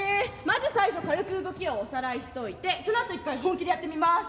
まず最初軽く動きをおさらいしといてそのあと１回本気でやってみます。